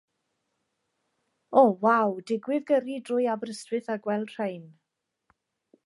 Oh waw, digwydd gyrru drwy Aberystwyth a gweld rhain.